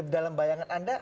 dalam bayangan anda